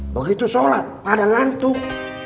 begitu sholat pada ngantuk